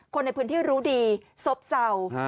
คนในพื้นที่รู้ดีซบเศร้า